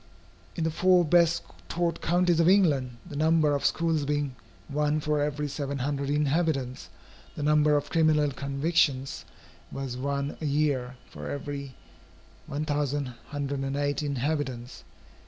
In the four best taught counties of England, the number of schools being one for every seven hundred inhabitants, the number of criminal convictions was one a year for every 1108 inhabitants.